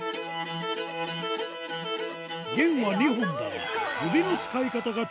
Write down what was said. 弦は２本だが